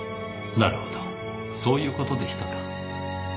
なるほどそういう事でしたか。